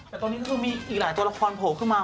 แต่ตอนนี้ก็คือมีอีกหลายตัวละครโผล่ขึ้นมา